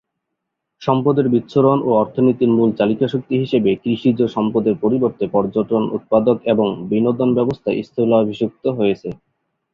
সম্পদের বিচ্ছুরণ ও অর্থনীতির মূল চালিকাশক্তি হিসেবে কৃষিজ সম্পদের পরিবর্তে পর্যটন, উৎপাদক এবং বিনোদন ব্যবস্থা স্থলাভিষিক্ত হয়েছে।